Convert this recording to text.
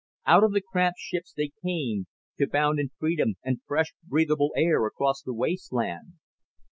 Out of the cramped ships they came, to bound in freedom and fresh breathable air across the wasteland.